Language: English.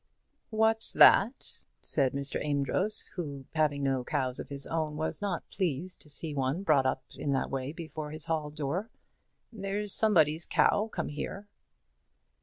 "What's that?" said Mr. Amedroz, who, having no cows of his own, was not pleased to see one brought up in that way before his hall door. "There's somebody's cow come here."